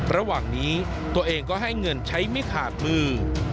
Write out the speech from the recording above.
ระหว่างนี้ตัวเองก็ให้เงินใช้ไม่ขาดมือ